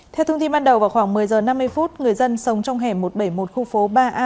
theo thông tin ban đầu vào khoảng một mươi h năm mươi người dân sống trong hẻm một trăm bảy mươi một khu phố ba a